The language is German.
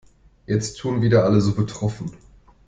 Jetzt tun wieder alle so betroffen.